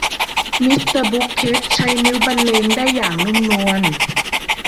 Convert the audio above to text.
มิสเตอร์บุคเค็ทใช้นิ้วบรรเลงได้อย่างนุ่มนวล